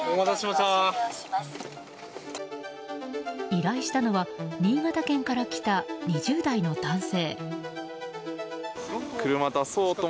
依頼したのは新潟県から来た２０代の男性。